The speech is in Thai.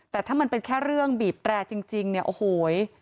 แต่ถ้ามันเป็นแค่เรื่องบีบแตรจริงเนี่ยโอ้โห